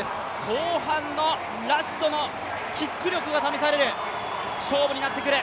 後半のラストのキック力が試される勝負になってくる。